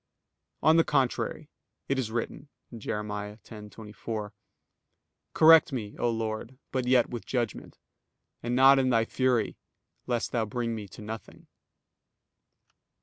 On the contrary, It is written (Jer. 10:24): "Correct me, O Lord, but yet with judgment; and not in Thy fury, lest Thou bring me to nothing."